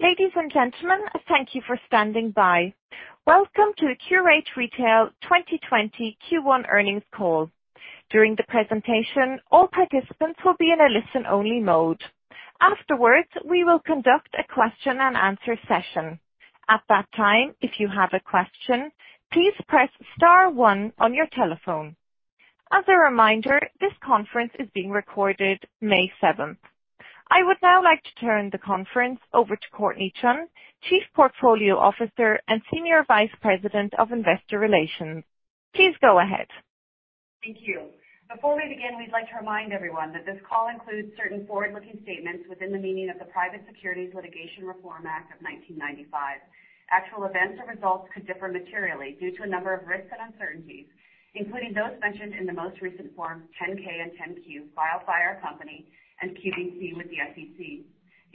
Ladies and gentlemen, thank you for standing by. Welcome to the Qurate Retail 2020 Q1 earnings call. During the presentation, all participants will be in a listen-only mode. Afterwards, we will conduct a question-and-answer session. At that time, if you have a question, please press star one on your telephone. As a reminder, this conference is being recorded, May 7th. I would now like to turn the conference over to Courtney Chun, Chief Portfolio Officer and Senior Vice President of Investor Relations. Please go ahead. Thank you. Before we begin, we'd like to remind everyone that this call includes certain forward-looking statements within the meaning of the Private Securities Litigation Reform Act of 1995. Actual events or results could differ materially due to a number of risks and uncertainties, including those mentioned in the most recent Form 10-K and 10-Q filed by the Company and QVC with the SEC.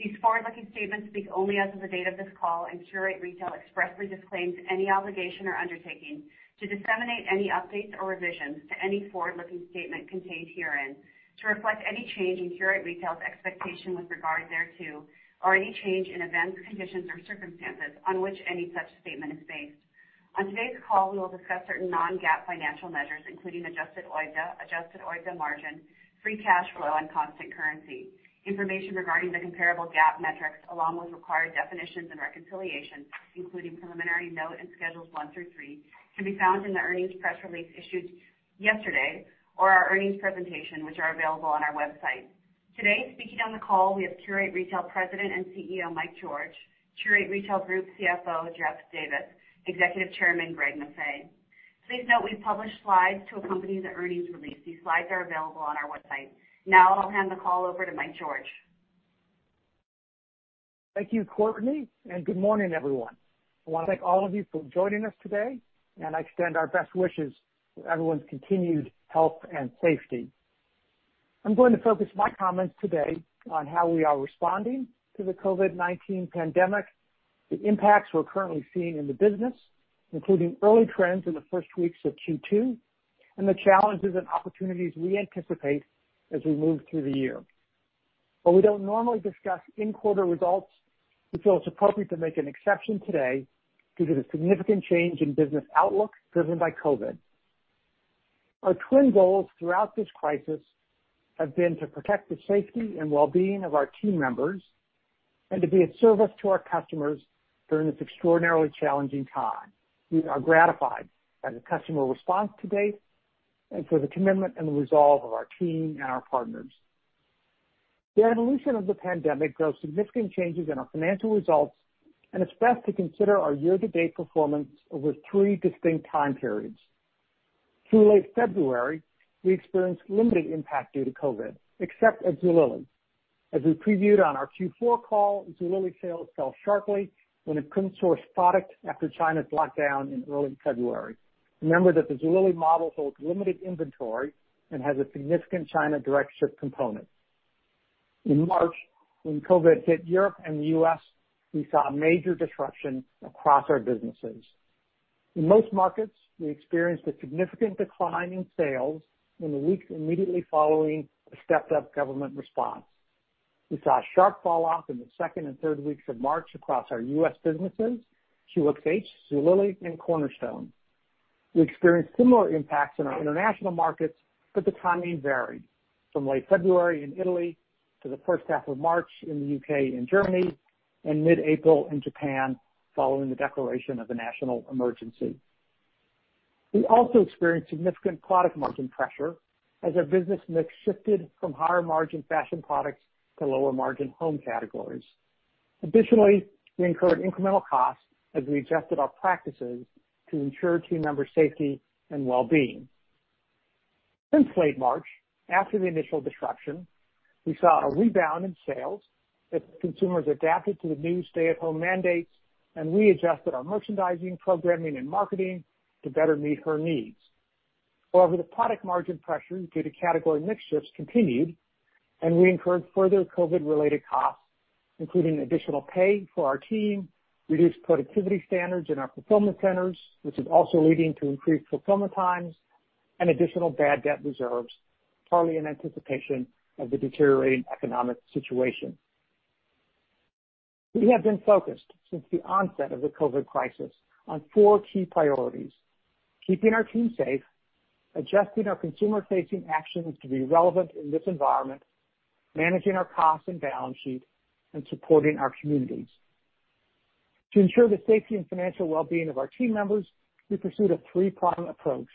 These forward-looking statements speak only as of the date of this call, and Qurate Retail expressly disclaims any obligation or undertaking to disseminate any updates or revisions to any forward-looking statement contained herein to reflect any change in Qurate Retail's expectation with regard thereto, or any change in events, conditions, or circumstances on which any such statement is based. On today's call, we will discuss certain non-GAAP financial measures, including Adjusted OIBDA, Adjusted OIBDA margin, free cash flow, and constant currency. Information regarding the comparable GAAP metrics, along with required definitions and reconciliation, including preliminary note and schedules one through three, can be found in the earnings press release issued yesterday or our earnings presentation, which are available on our website. Today, speaking on the call, we have Qurate Retail President and CEO Mike George, Qurate Retail Group CFO Jeff Davis, and Executive Chairman Greg Maffei. Please note we've published slides to accompany the earnings release. These slides are available on our website. Now I'll hand the call over to Mike George. Thank you, Courtney, and good morning, everyone. I want to thank all of you for joining us today, and I extend our best wishes for everyone's continued health and safety. I'm going to focus my comments today on how we are responding to the COVID-19 pandemic, the impacts we're currently seeing in the business, including early trends in the first weeks of Q2, and the challenges and opportunities we anticipate as we move through the year. While we don't normally discuss in-quarter results, we feel it's appropriate to make an exception today due to the significant change in business outlook driven by COVID. Our twin goals throughout this crisis have been to protect the safety and well-being of our team members and to be of service to our customers during this extraordinarily challenging time. We are gratified by the customer response to date and for the commitment and the resolve of our team and our partners. The evolution of the pandemic drove significant changes in our financial results, and it's best to consider our year-to-date performance over three distinct time periods. Through late February, we experienced limited impact due to COVID, except at Zulily. As we previewed on our Q4 call, Zulily sales fell sharply when it couldn't source product after China's lockdown in early February. Remember that the Zulily model holds limited inventory and has a significant China direct ship component. In March, when COVID hit Europe and the U.S., we saw major disruption across our businesses. In most markets, we experienced a significant decline in sales in the weeks immediately following a stepped-up government response. We saw a sharp fall-off in the second and third weeks of March across our U.S. businesses: QxH, Zulily, and Cornerstone. We experienced similar impacts in our international markets, but the timing varied from late February in Italy to the first half of March in the U.K. and Germany, and mid-April in Japan following the declaration of the national emergency. We also experienced significant product margin pressure as our business mix shifted from higher-margin fashion products to lower-margin home categories. Additionally, we incurred incremental costs as we adjusted our practices to ensure team members' safety and well-being. Since late March, after the initial disruption, we saw a rebound in sales as consumers adapted to the new stay-at-home mandates, and we adjusted our merchandising, programming, and marketing to better meet her needs. However, the product margin pressure due to category mix shifts continued, and we incurred further COVID-related costs, including additional pay for our team, reduced productivity standards in our fulfillment centers, which is also leading to increased fulfillment times, and additional bad debt reserves, partly in anticipation of the deteriorating economic situation. We have been focused since the onset of the COVID crisis on four key priorities: keeping our team safe, adjusting our consumer-facing actions to be relevant in this environment, managing our cost and balance sheet, and supporting our communities. To ensure the safety and financial well-being of our team members, we pursued a three-pronged approach.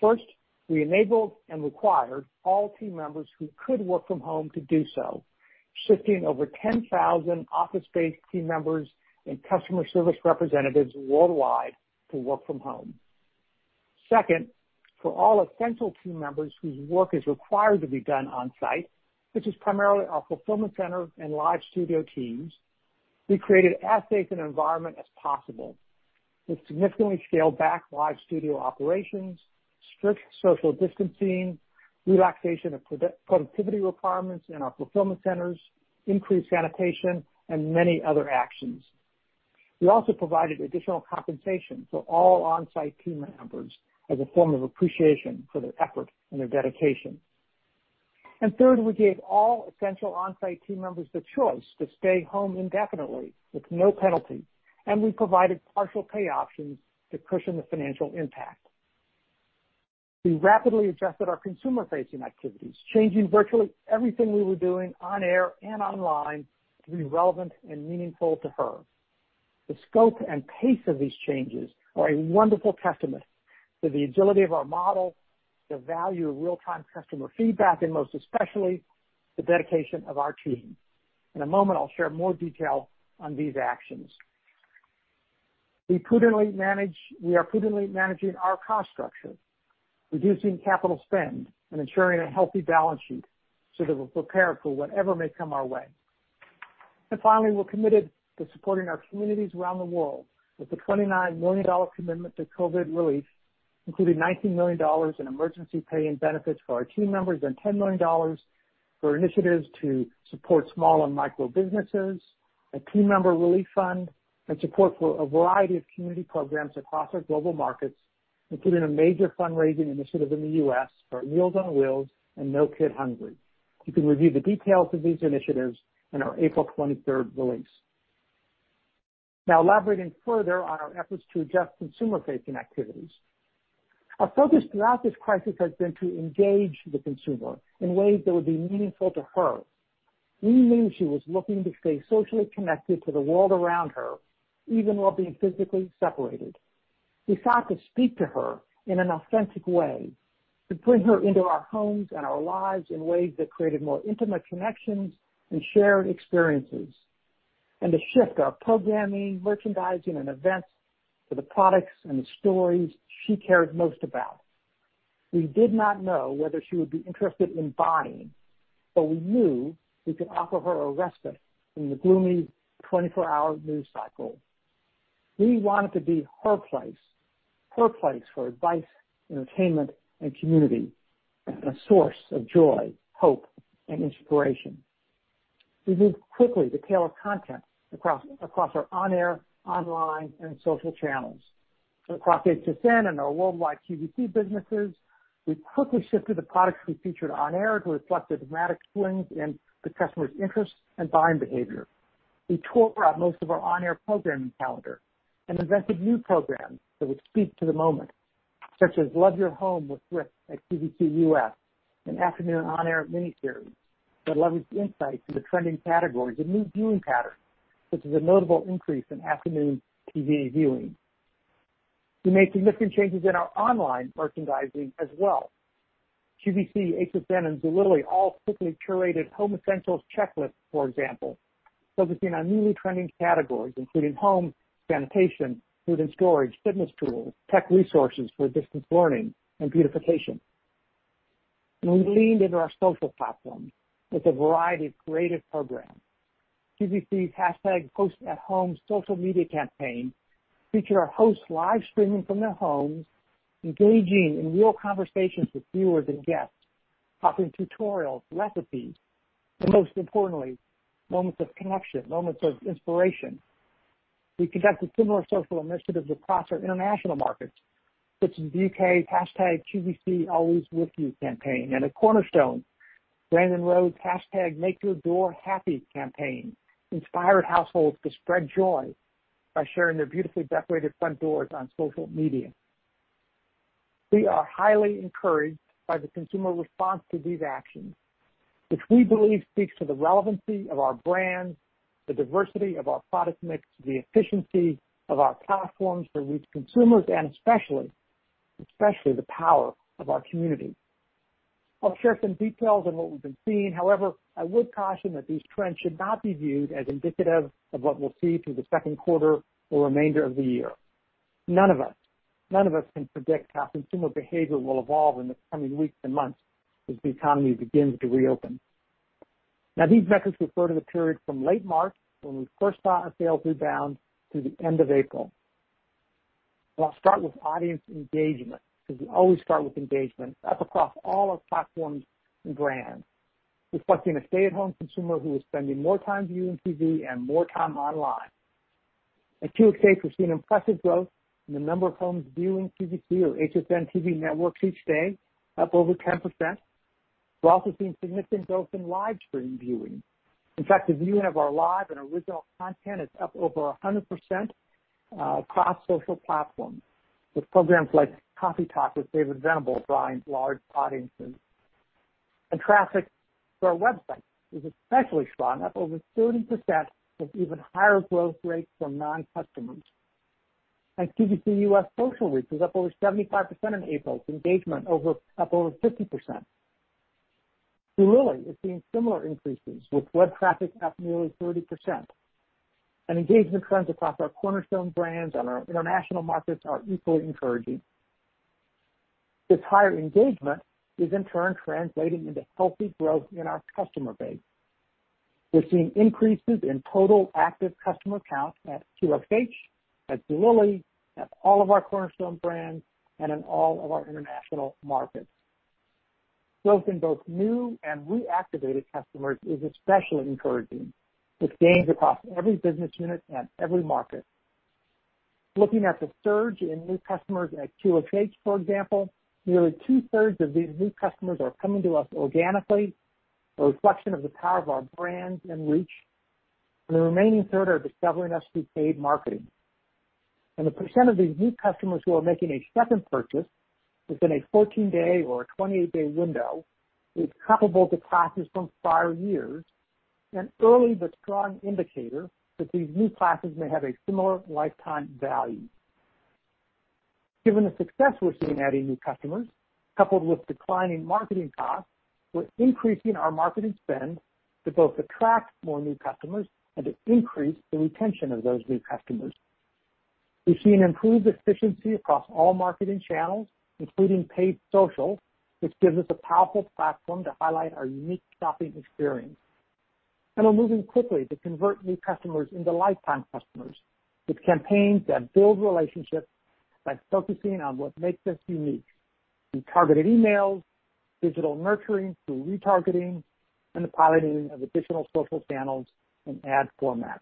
First, we enabled and required all team members who could work from home to do so, shifting over 10,000 office-based team members and customer service representatives worldwide to work from home. Second, for all essential team members whose work is required to be done on-site, which is primarily our fulfillment center and live studio teams, we created as safe an environment as possible with significantly scaled-back live studio operations, strict social distancing, relaxation of productivity requirements in our fulfillment centers, increased sanitation, and many other actions. We also provided additional compensation for all on-site team members as a form of appreciation for their effort and their dedication. And third, we gave all essential on-site team members the choice to stay home indefinitely with no penalty, and we provided partial pay options to cushion the financial impact. We rapidly adjusted our consumer-facing activities, changing virtually everything we were doing on air and online to be relevant and meaningful to her. The scope and pace of these changes are a wonderful testament to the agility of our model, the value of real-time customer feedback, and most especially the dedication of our team. In a moment, I'll share more detail on these actions. We are prudently managing our cost structure, reducing capital spend, and ensuring a healthy balance sheet so that we're prepared for whatever may come our way. And finally, we're committed to supporting our communities around the world with a $29 million commitment to COVID relief, including $19 million in emergency pay and benefits for our team members and $10 million for initiatives to support small and micro businesses, a team member relief fund, and support for a variety of community programs across our global markets, including a major fundraising initiative in the U.S. for Meals on Wheels and No Kid Hungry. You can review the details of these initiatives in our April 23rd release. Now, elaborating further on our efforts to adjust consumer-facing activities, our focus throughout this crisis has been to engage the consumer in ways that would be meaningful to her. We knew she was looking to stay socially connected to the world around her, even while being physically separated. We sought to speak to her in an authentic way, to bring her into our homes and our lives in ways that created more intimate connections and shared experiences, and to shift our programming, merchandising, and events to the products and the stories she cares most about. We did not know whether she would be interested in buying, but we knew we could offer her a respite from the gloomy 24-hour news cycle. We wanted to be her place, her place for advice, entertainment, and community, a source of joy, hope, and inspiration. We moved quickly to tailor content across our on-air, online, and social channels. Across HSN and our worldwide QVC businesses, we quickly shifted the products we featured on air to reflect the dramatic swings in the customer's interest and buying behavior. We tore out most of our on-air programming calendar and invented new programs that would speak to the moment, such as Love Your Home with Rick at QVC U.S., an afternoon on-air miniseries that leveraged insights into trending categories and new viewing patterns, such as a notable increase in afternoon TV viewing. We made significant changes in our online merchandising as well. QVC, HSN, and Zulily all quickly curated Home Essentials Checklist, for example, focusing on newly trending categories, including home, sanitation, food and storage, fitness tools, tech resources for distance learning, and beautification, and we leaned into our social platforms with a variety of creative programs. QVC's #PostAtHome social media campaign featured our hosts live streaming from their homes, engaging in real conversations with viewers and guests, offering tutorials, recipes, and most importantly, moments of connection, moments of inspiration. We conducted similar social initiatives across our international markets, such as the U.K.'s #QVCAlwaysWithYou campaign and at Cornerstone, Grandin Road's #MakeYourDoorHappy campaign inspired households to spread joy by sharing their beautifully decorated front doors on social media. We are highly encouraged by the consumer response to these actions, which we believe speaks to the relevancy of our brand, the diversity of our product mix, the efficiency of our platforms for reaching consumers, and especially the power of our community. I'll share some details on what we've been seeing. However, I would caution that these trends should not be viewed as indicative of what we'll see through the second quarter or remainder of the year. None of us, none of us can predict how consumer behavior will evolve in the coming weeks and months as the economy begins to reopen. Now, these metrics refer to the period from late March, when we first saw a sales rebound, to the end of April. I'll start with audience engagement, because we always start with engagement. That's across all our platforms and brands, reflecting a stay-at-home consumer who is spending more time viewing TV and more time online. At QxH, we've seen impressive growth in the number of homes viewing QVC or HSN TV networks each day, up over 10%. We're also seeing significant growth in live stream viewing. In fact, the viewing of our live and original content is up over 100% across social platforms, with programs like Coffee Talk with David Venable drawing large audiences. And traffic to our websites is especially strong, up over 30%, with even higher growth rates from non-customers. And QVC U.S. social reach is up over 75% in April, with engagement up over 50%. Zulily is seeing similar increases, with web traffic up nearly 30%. And engagement trends across our Cornerstone brands and our international markets are equally encouraging. This higher engagement is, in turn, translating into healthy growth in our customer base. We're seeing increases in total active customer count at QxH, at Zulily, at all of our Cornerstone brands, and in all of our international markets. Growth in both new and reactivated customers is especially encouraging, with gains across every business unit and every market. Looking at the surge in new customers at QxH, for example, nearly two-thirds of these new customers are coming to us organically, a reflection of the power of our brand and reach. The remaining third are discovering us through paid marketing. The percent of these new customers who are making a second purchase within a 14-day or a 28-day window is comparable to cohorts from prior years, an early but strong indicator that these new cohorts may have a similar lifetime value. Given the success we're seeing adding new customers, coupled with declining marketing costs, we're increasing our marketing spend to both attract more new customers and to increase the retention of those new customers. We've seen improved efficiency across all marketing channels, including paid social, which gives us a powerful platform to highlight our unique shopping experience, and we're moving quickly to convert new customers into lifetime customers with campaigns that build relationships by focusing on what makes us unique, through targeted emails, digital nurturing, through retargeting, and the piloting of additional social channels and ad formats.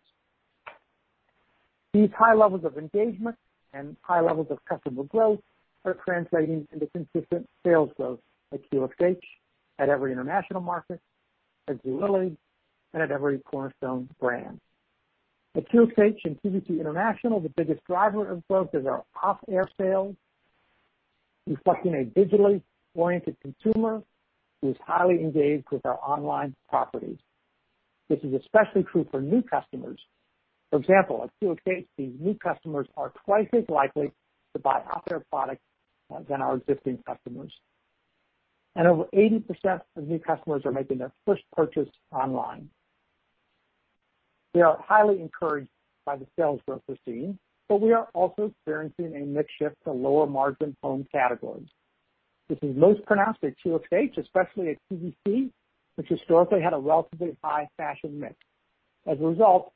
These high levels of engagement and high levels of customer growth are translating into consistent sales growth at QxH, at every international market, at Zulily, and at every Cornerstone brand. At QxH and QVC International, the biggest driver of growth is our off-air sales, reflecting a digitally oriented consumer who is highly engaged with our online properties. This is especially true for new customers. For example, at QxH, these new customers are twice as likely to buy off-air products than our existing customers, and over 80% of new customers are making their first purchase online. We are highly encouraged by the sales growth we're seeing, but we are also experiencing a mix shift to lower-margin home categories. This is most pronounced at QxH, especially at QVC, which historically had a relatively high fashion mix. As a result,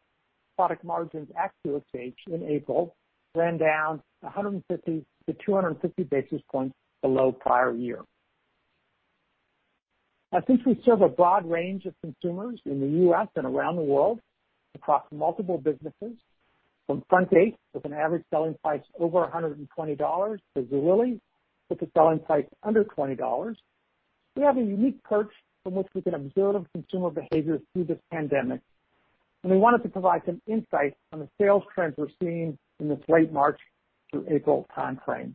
product margins at QxH in April ran down 150 to 250 basis points below prior year. Now, since we serve a broad range of consumers in the U.S. and around the world across multiple businesses, from Frontgate, with an average selling price over $120, to Zulily, with a selling price under $20, we have a unique perch from which we can observe consumer behavior through this pandemic. And we wanted to provide some insight on the sales trends we're seeing in this late March through April timeframe.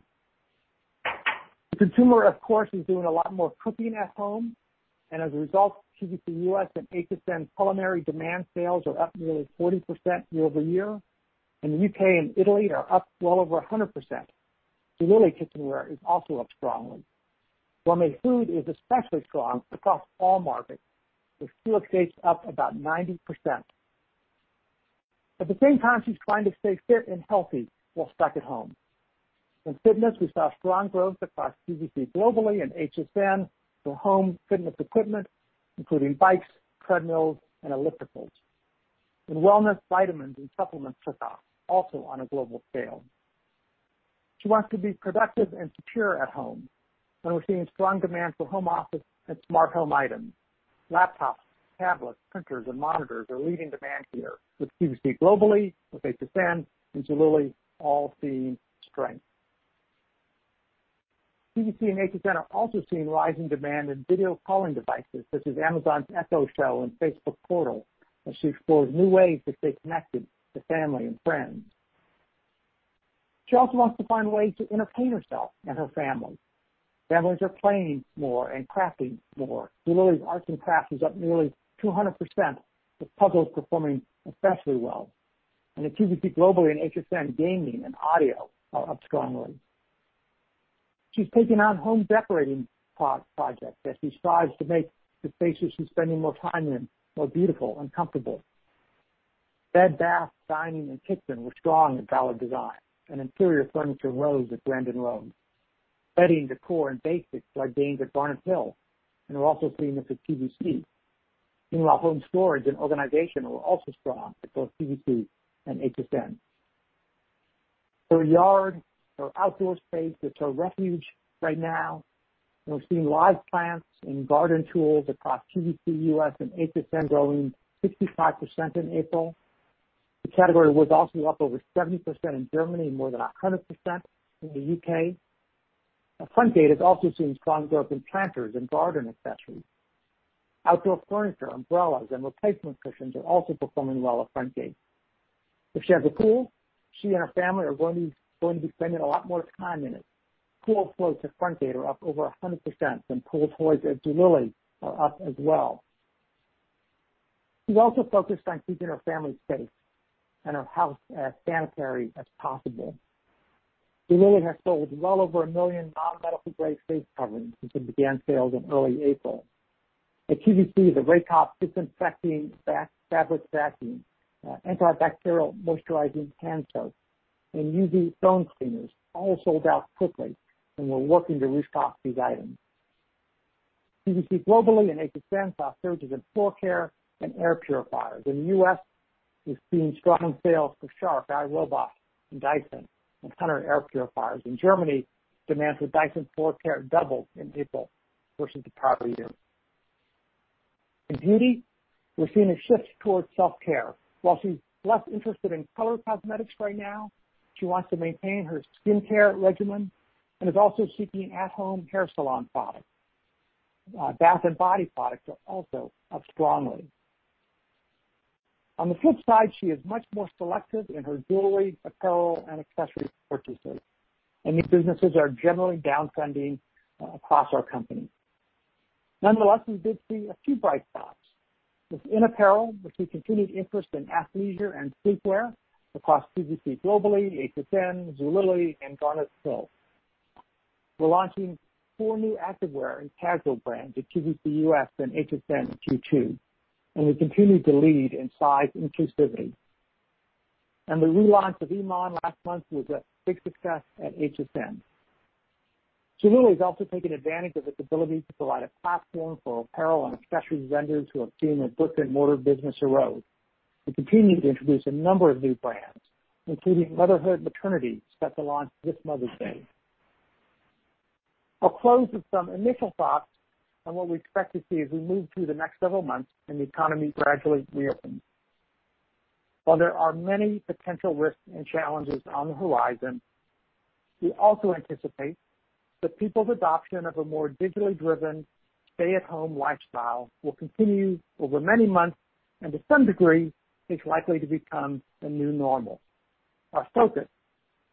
The consumer, of course, is doing a lot more cooking at home. And as a result, QVC U.S. and HSN's culinary demand sales are up nearly 40% year-over-year. And the U.K. and Italy are up well over 100%. Zulily's consumer is also up strongly. Well-made food is especially strong across all markets, with QxH up about 90%. At the same time, she's trying to stay fit and healthy while stuck at home. In fitness, we saw strong growth across QVC globally and HSN for home fitness equipment, including bikes, treadmills, and ellipticals. In wellness, vitamins and supplements took off, also on a global scale. She wants to be productive and secure at home, and we're seeing strong demand for home office and smart home items. Laptops, tablets, printers, and monitors are leading demand here, with QVC globally, with HSN, and Zulily all seeing strength. QVC and HSN are also seeing rising demand in video calling devices, such as Amazon Echo Show and Facebook Portal, as she explores new ways to stay connected to family and friends. She also wants to find ways to entertain herself and her family. Families are playing more and crafting more. Zulily's arts and crafts is up nearly 200%, with puzzles performing especially well, and at QVC globally, HSN gaming and audio are up strongly. She's taken on home decorating projects as she strives to make the spaces she's spending more time in more beautiful and comfortable. Bed, bath, dining, and kitchen were strong, and Ballard Designs. Interior furniture rose at Grandin Road. Bedding, decor, and basics are gained at Garnet Hill and are also seen at QVC. Meanwhile, home storage and organization were also strong at both QVC and HSN. Her yard, her outdoor space, is her refuge right now. We're seeing live plants and garden tools across QVC U.S. and HSN growing 65% in April. The category was also up over 70% in Germany and more than 100% in the U.K. Frontgate is also seeing strong growth in planters and garden accessories. Outdoor furniture, umbrellas, and replacement cushions are also performing well at Frontgate. If she has a pool, she and her family are going to be spending a lot more time in it. Pool floats at Frontgate are up over 100%, and pool toys at Zulily are up as well. She's also focused on keeping her family safe and her house as sanitary as possible. Zulily has sold well over a million non-medical grade face coverings since it began sales in early April. At QVC, the Raycop disinfecting fabric vacuum, antibacterial moisturizing hand soap, and UV phone cleaners all sold out quickly and were working to restock these items. QVC globally and HSN saw surges in floor care and air purifiers. In the U.S., we've seen strong sales for Shark, iRobot, and Dyson and Hunter air purifiers. In Germany, demand for Dyson floor care doubled in April versus the prior year. In beauty, we're seeing a shift towards self-care. While she's less interested in color cosmetics right now, she wants to maintain her skincare regimen and is also seeking at-home hair salon products. Bath & Body products are also up strongly. On the flip side, she is much more selective in her jewelry, apparel, and accessory purchases. And these businesses are generally downtrending across our company. Nonetheless, we did see a few bright spots. Within apparel, we see continued interest in athleisure and sleepwear across QVC globally, HSN, Zulily, and Garnet Hill. We're launching four new activewear and casual brands at QVC U.S. and HSN Q2. And we continue to lead in size inclusivity. And the relaunch of IMAN last month was a big success at HSN. Zulily is also taking advantage of its ability to provide a platform for apparel and accessory vendors who have seen a brick-and-mortar business erode. We continue to introduce a number of new brands, including Motherhood Maternity, set to launch this Mother's Day. I'll close with some initial thoughts on what we expect to see as we move through the next several months and the economy gradually reopens. While there are many potential risks and challenges on the horizon, we also anticipate that people's adoption of a more digitally driven stay-at-home lifestyle will continue over many months and, to some degree, is likely to become the new normal. Our focus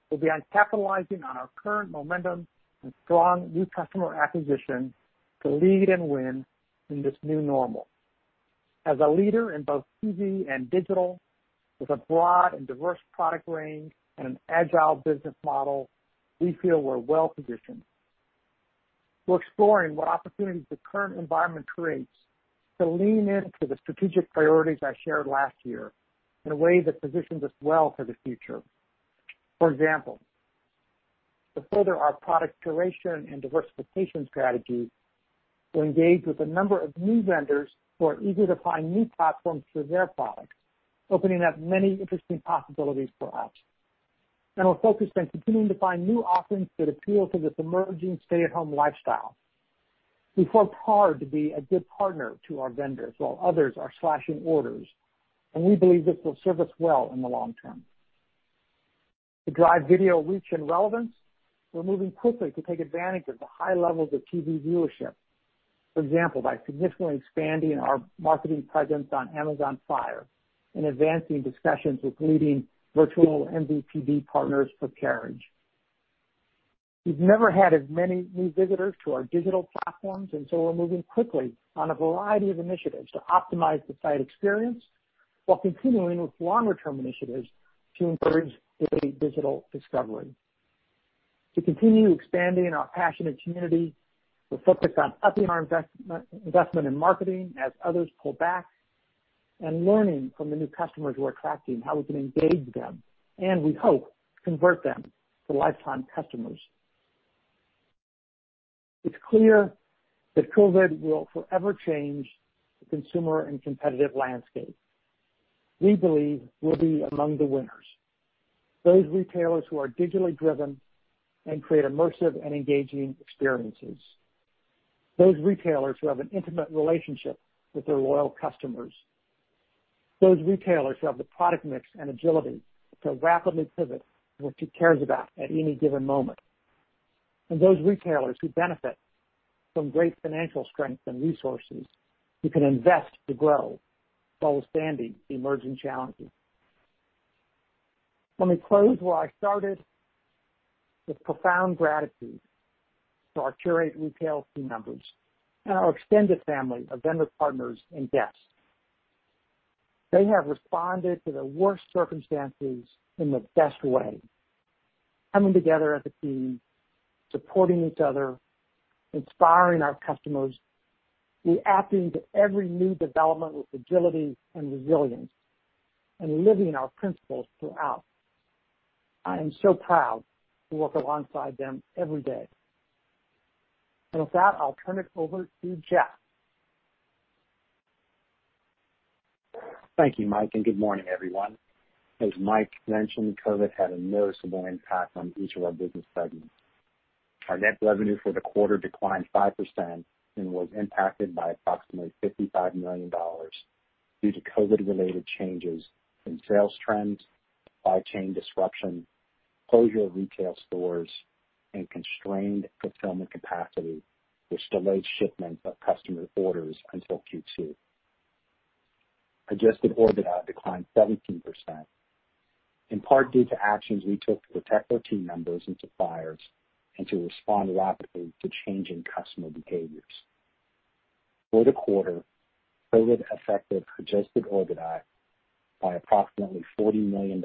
will be on capitalizing on our current momentum and strong new customer acquisition to lead and win in this new normal. As a leader in both TV and digital, with a broad and diverse product range and an agile business model, we feel we're well positioned. We're exploring what opportunities the current environment creates to lean into the strategic priorities I shared last year in a way that positions us well for the future. For example, to further our product curation and diversification strategy will engage with a number of new vendors who are eager to find new platforms for their products, opening up many interesting possibilities for us. And we're focused on continuing to find new offerings that appeal to this emerging stay-at-home lifestyle. We've worked hard to be a good partner to our vendors while others are slashing orders. And we believe this will serve us well in the long term. To drive video reach and relevance, we're moving quickly to take advantage of the high levels of TV viewership, for example, by significantly expanding our marketing presence on Amazon Fire and advancing discussions with leading virtual MVPD partners for carriage. We've never had as many new visitors to our digital platforms, and so we're moving quickly on a variety of initiatives to optimize the site experience while continuing with longer-term initiatives to encourage daily digital discovery. To continue expanding our passionate community, we're focused on upping our investment in marketing as others pull back and learning from the new customers we're attracting, how we can engage them, and we hope convert them to lifetime customers. It's clear that COVID will forever change the consumer and competitive landscape. We believe we'll be among the winners: those retailers who are digitally driven and create immersive and engaging experiences, those retailers who have an intimate relationship with their loyal customers, those retailers who have the product mix and agility to rapidly pivot to what she cares about at any given moment, and those retailers who benefit from great financial strength and resources who can invest to grow while withstanding the emerging challenges. Let me close where I started with profound gratitude to our Qurate Retail team members and our extended family of vendors, partners, and guests. They have responded to the worst circumstances in the best way, coming together as a team, supporting each other, inspiring our customers, reacting to every new development with agility and resilience, and living our principles throughout. I am so proud to work alongside them every day. And with that, I'll turn it over to Jeff. Thank you, Mike, and good morning, everyone. As Mike mentioned, COVID had a noticeable impact on each of our business segments. Our net revenue for the quarter declined 5% and was impacted by approximately $55 million due to COVID-related changes in sales trends, supply chain disruption, closure of retail stores, and constrained fulfillment capacity, which delayed shipments of customer orders until Q2. Adjusted OIBDA declined 17%, in part due to actions we took to protect our team members and suppliers and to respond rapidly to changing customer behaviors. For the quarter, COVID affected Adjusted OIBDA by approximately $40 million,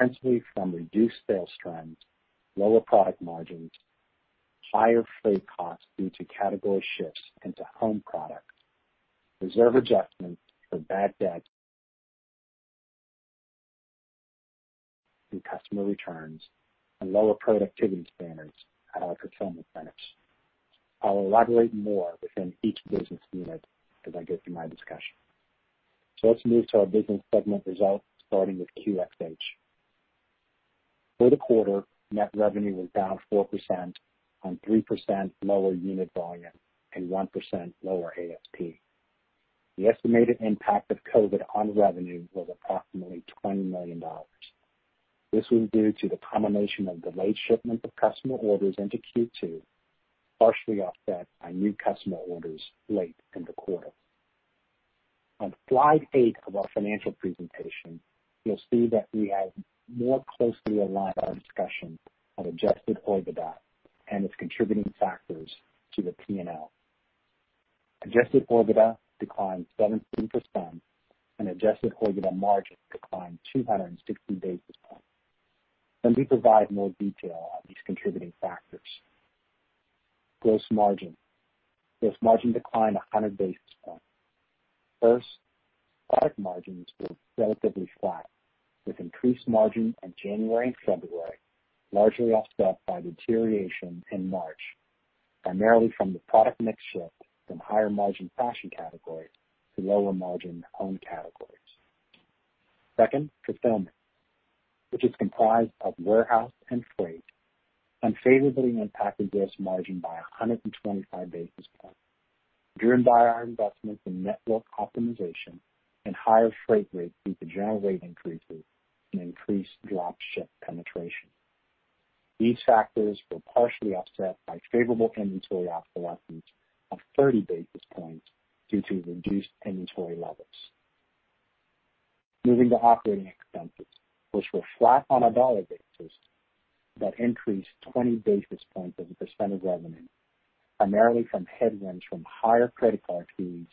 principally from reduced sales trends, lower product margins, higher freight costs due to category shifts into home product, reserve adjustments for bad debt and customer returns, and lower productivity standards at our fulfillment centers. I'll elaborate more within each business unit as I get through my discussion. So let's move to our business segment results, starting with QxH. For the quarter, net revenue was down 4% on 3% lower unit volume and 1% lower ASP. The estimated impact of COVID on revenue was approximately $20 million. This was due to the combination of delayed shipments of customer orders into Q2, partially offset by new customer orders late in the quarter. On Slide 8 of our financial presentation, you'll see that we have more closely aligned our discussion on Adjusted OIBDA and its contributing factors to the P&L. Adjusted OIBDA declined 17%, and Adjusted OIBDA margin declined 260 basis points. Let me provide more detail on these contributing factors. Gross margin declined 100 basis points. First, product margins were relatively flat, with increased margin in January and February, largely offset by deterioration in March, primarily from the product mix shift from higher margin fashion categories to lower margin home categories. Second, fulfillment, which is comprised of warehouse and freight, unfavorably impacted gross margin by 125 basis points, driven by our investments in network optimization and higher freight rates due to general rate increases and increased dropship penetration. These factors were partially offset by favorable inventory obsolescence of 30 basis points due to reduced inventory levels. Moving to operating expenses, which were flat on a dollar basis, but increased 20 basis points as a percent of revenue, primarily from headwinds from higher credit card fees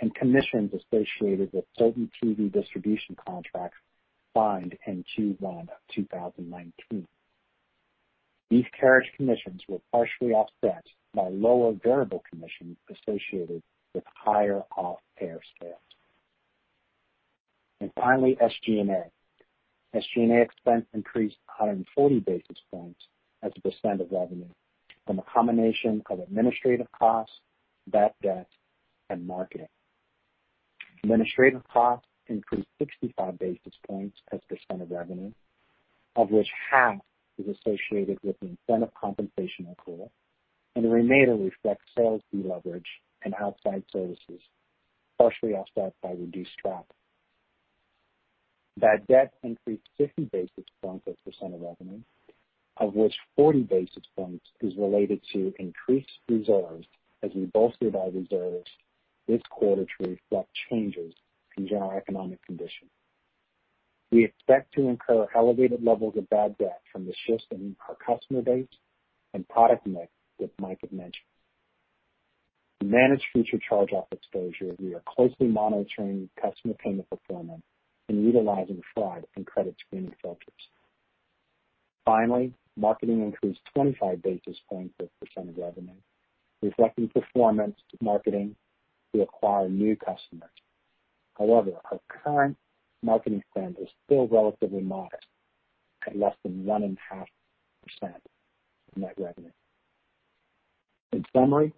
and commissions associated with certain TV distribution contracts signed in Q1 of 2019. These carriage commissions were partially offset by lower variable commissions associated with higher off-air sales. Finally, SG&A. SG&A expense increased 140 basis points as a percent of revenue from a combination of administrative costs, bad debt, and marketing. Administrative costs increased 65 basis points as a percent of revenue, of which half is associated with the incentive compensation accrual, and the remainder reflects sales deleverage and outside services, partially offset by reduced drop. Bad debt increased 50 basis points as a percent of revenue, of which 40 basis points is related to increased reserves, as we bolstered our reserves this quarter to reflect changes in general economic conditions. We expect to incur elevated levels of bad debt from the shift in our customer base and product mix that Mike had mentioned. To manage future charge-off exposure, we are closely monitoring customer payment performance and utilizing fraud and credit screening filters. Finally, marketing increased 25 basis points as a percent of revenue, reflecting performance. Marketing, we acquire new customers. However, our current marketing spend is still relatively modest, at less than 1.5% of net revenue. In summary,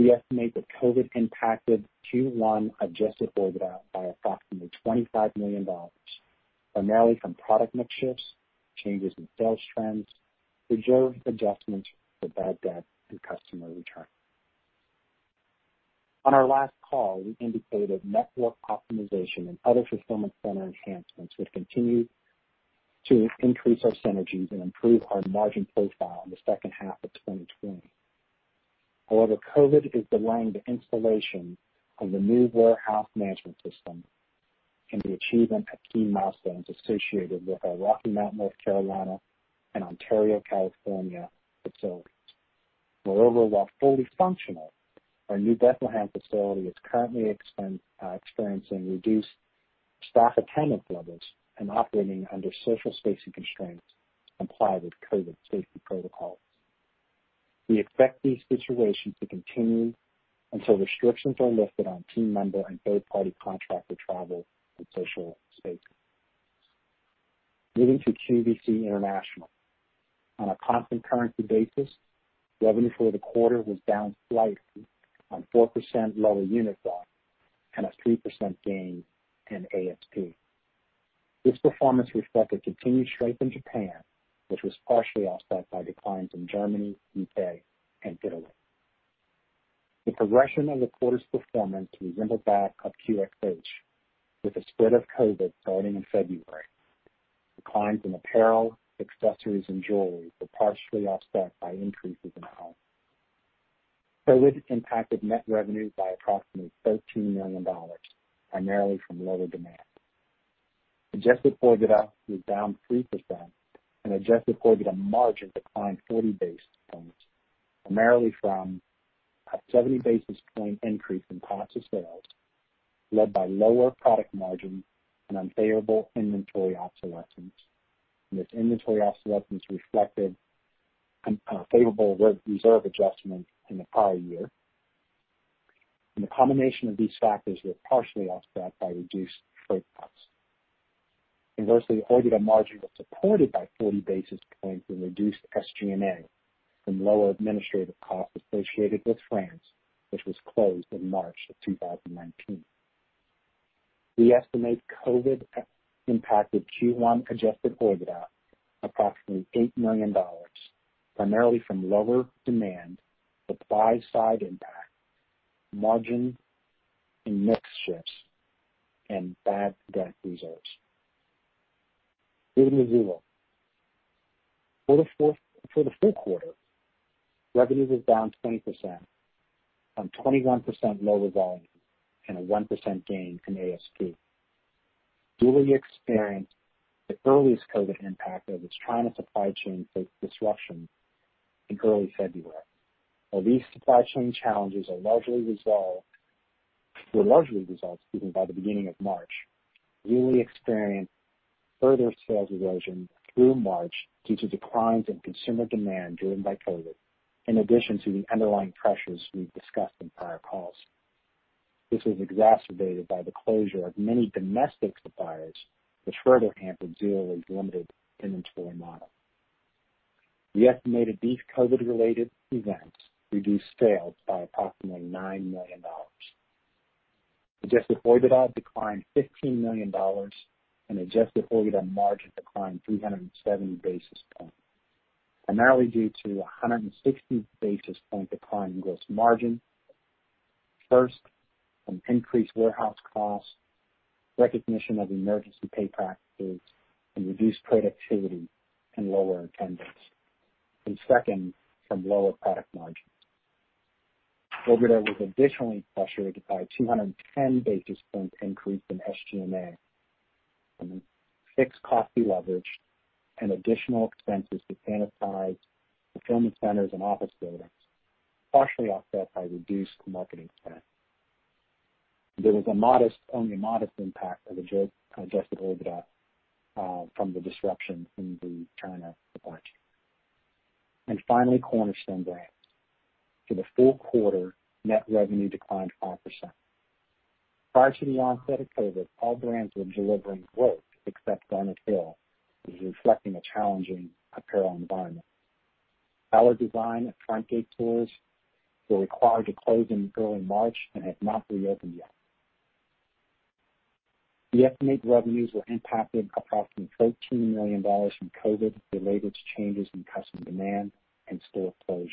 we estimate that COVID impacted Q1 Adjusted OIBDA by approximately $25 million, primarily from product mix shifts, changes in sales trends, reserve adjustments for bad debt, and customer returns. On our last call, we indicated that network optimization and other fulfillment center enhancements would continue to increase our synergies and improve our margin profile in the second half of 2020. However, COVID is delaying the installation of the new warehouse management system and the achievement of key milestones associated with our Rocky Mount, North Carolina, and Ontario, California facilities. Moreover, while fully functional, our new Bethlehem facility is currently experiencing reduced staff attendance levels and operating under social spacing constraints implied with COVID safety protocols. We expect these situations to continue until restrictions are lifted on team member and third-party contractor travel and social spacing. Moving to QVC International. On a constant currency basis, revenue for the quarter was down slightly on 4% lower unit volumes and a 3% gain in ASP. This performance reflected continued strength in Japan, which was partially offset by declines in Germany, U.K., and Italy. The progression of the quarter's performance resembled that of QxH, with a split of COVID starting in February. Declines in apparel, accessories, and jewelry were partially offset by increases in home. COVID impacted net revenue by approximately $13 million, primarily from lower demand. Adjusted OIBDA was down 3%, and Adjusted OIBDA margin declined 40 basis points, primarily from a 70 basis point increase in cost of sales, led by lower product margins and unfavorable inventory obsolescence. This inventory obsolescence reflected favorable reserve adjustments in the prior year, and the combination of these factors was partially offset by reduced freight costs. Conversely, OIBDA margin was supported by 40 basis points and reduced SG&A from lower administrative costs associated with France, which was closed in March of 2019. We estimate COVID impacted Q1 Adjusted OIBDA approximately $8 million, primarily from lower demand, supply-side impact, margin and mix shifts, and bad debt reserves. Moving to Zulily. For the fourth quarter, revenue was down 20% on 21% lower volume and a 1% gain from ASP. Zulily experienced the earliest COVID impact of its China supply chain disruption in early February. While these supply chain challenges were largely resolved, excuse me, by the beginning of March, Zulily experienced further sales erosion through March due to declines in consumer demand driven by COVID, in addition to the underlying pressures we've discussed in prior calls. This was exacerbated by the closure of many domestic suppliers, which further hampered Zulily's limited inventory model. We estimated these COVID-related events reduced sales by approximately $9 million. Adjusted OIBDA declined $15 million, and Adjusted OIBDA margin declined 370 basis points, primarily due to a 160 basis point decline in gross margin, first, from increased warehouse costs, recognition of emergency pay practices, and reduced productivity and lower attendance, and second, from lower product margins. Adjusted OIBDA was additionally pressured by a 210 basis point increase in SG&A, fixed costs deleveraged, and additional expenses to sanitize fulfillment centers and office buildings, partially offset by reduced marketing spend. There was a modest, only a modest impact of Adjusted OIBDA from the disruption in the China supply chain. And finally, Cornerstone brands. For the full quarter, net revenue declined 5%. Prior to the onset of COVID, all brands were delivering growth, except Garnet Hill, which is reflecting a challenging apparel environment. Ballard Designs and Frontgate stores were required to close in early March and have not reopened yet. We estimate revenues were impacted approximately $13 million from COVID related to changes in customer demand and store closures.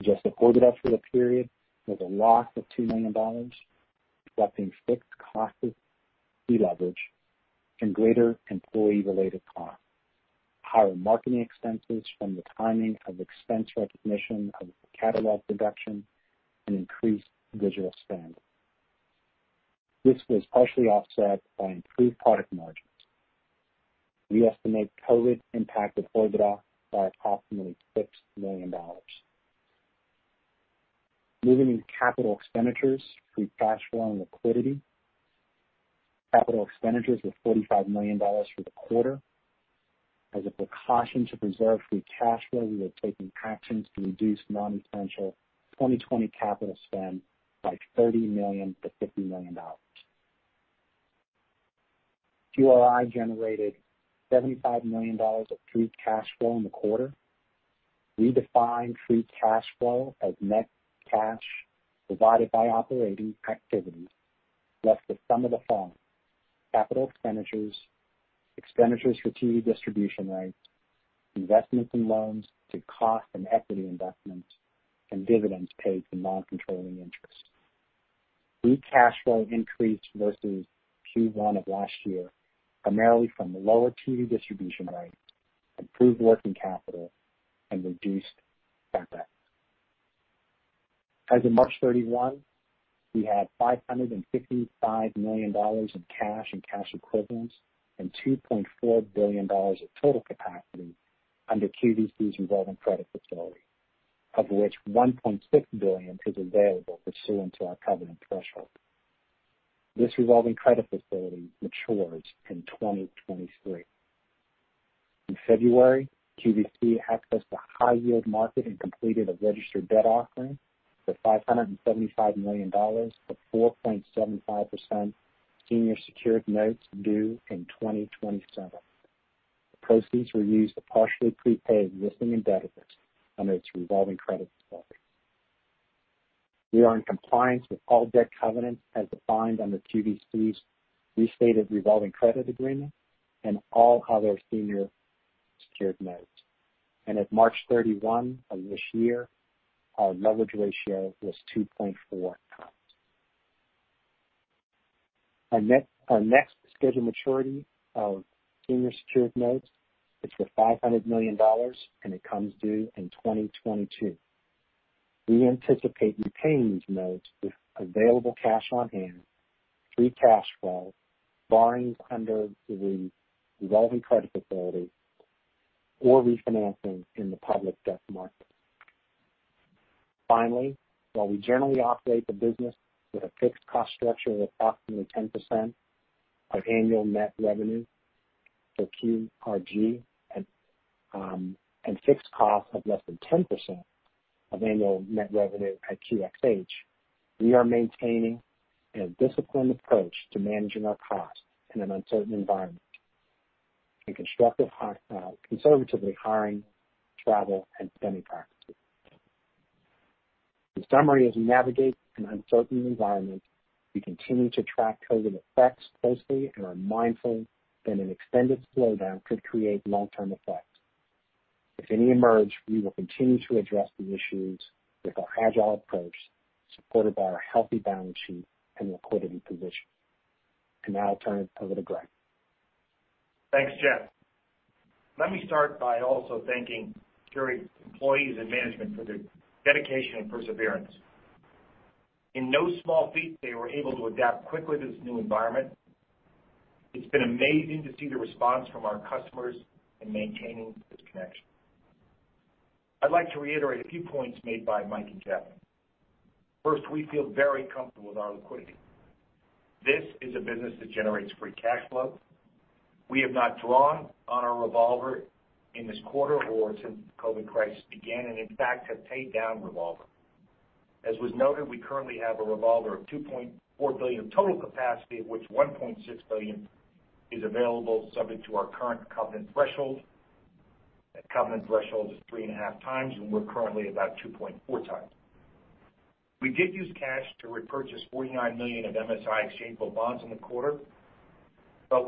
Adjusted OIBDA for the period was a loss of $2 million, reflecting fixed costs of deleverage and greater employee-related costs, higher marketing expenses from the timing of expense recognition of catalog production, and increased digital spend. This was partially offset by improved product margins. We estimate COVID impacted OIBDA by approximately $6 million. Moving into capital expenditures for cash flow and liquidity. Capital expenditures were $45 million for the quarter. As a precaution to preserve free cash flow, we were taking actions to reduce non-essential 2020 capital spend by $30 million-$50 million. QRI generated $75 million of free cash flow in the quarter. We defined free cash flow as net cash provided by operating activity, less the sum of the following: capital expenditures, expenditures for TV distribution rights, investments and loans to cost and equity investments, and dividends paid to non-controlling interest. Free cash flow increased versus Q1 of last year, primarily from lower TV distribution rights, improved working capital, and reduced CapEx. As of March 31, we had $555 million in cash and cash equivalents and $2.4 billion of total capacity under QVC's revolving credit facility, of which $1.6 billion is available pursuant to our covenant threshold. This revolving credit facility matures in 2023. In February, QVC accessed a high-yield market and completed a registered debt offering for $575 million for 4.75% senior secured notes due in 2027. Proceeds were used to partially prepay existing indebtedness under its revolving credit facility. We are in compliance with all debt covenants as defined under QVC's restated revolving credit agreement and all other senior secured notes. And at March 31 of this year, our leverage ratio was 2.4 times. Our next scheduled maturity of senior secured notes is for $500 million, and it comes due in 2022. We anticipate repaying these notes with available cash on hand, free cash flow, borrowing under the revolving credit facility, or refinancing in the public debt market. Finally, while we generally operate the business with a fixed cost structure of approximately 10% of annual net revenue for QRG and fixed costs of less than 10% of annual net revenue at QXH, we are maintaining a disciplined approach to managing our costs in an uncertain environment and conservatively hiring, travel, and spending practices. The summary is, we navigate an uncertain environment. We continue to track COVID effects closely and are mindful that an extended slowdown could create long-term effects. If any emerge, we will continue to address the issues with our agile approach, supported by our healthy balance sheet and liquidity position. Now, turn it to Greg Maffei. Thanks, Jeff. Let me start by also thanking Qurate's employees and management for their dedication and perseverance. In no small feat, they were able to adapt quickly to this new environment. It's been amazing to see the response from our customers and maintaining this connection. I'd like to reiterate a few points made by Mike and Jeff. First, we feel very comfortable with our liquidity. This is a business that generates free cash flow. We have not drawn on our revolver in this quarter or since the COVID crisis began and, in fact, have paid down revolver. As was noted, we currently have a revolver of $2.4 billion total capacity, of which $1.6 billion is available subject to our current covenant threshold. That covenant threshold is three and a half times, and we're currently about 2.4 times. We did use cash to repurchase $49 million of MSI exchangeable bonds in the quarter, but